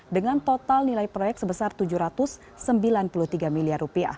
dengan total nilai proyek sebesar rp tujuh ratus sembilan puluh tiga miliar